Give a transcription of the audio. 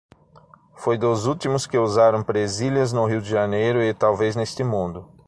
Foi dos últimos que usaram presilhas no Rio de Janeiro, e talvez neste mundo.